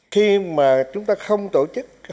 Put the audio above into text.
khi mà chúng ta không tổ chức hội đồng dân dân